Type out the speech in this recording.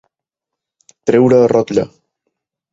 Treure a rotlle.